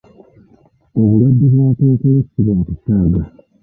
Obulwadde bwa kkookolo si bwa kusaaga.